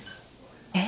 えっ？